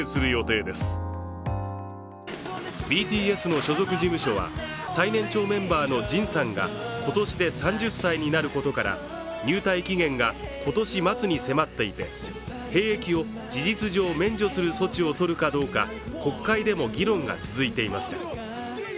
ＢＴＳの所属事務所は、最年長メンバーのＪＩＮさんが今年で３０歳になることから、入隊期限が今年末に迫っていて兵役を事実上、免除する措置を取るかどうか、国会でも議論が続いていました。